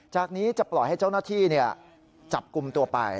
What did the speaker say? จากนี้จะปล่อยให้เจ้าหน้าที่จับกลุ่มตัวไป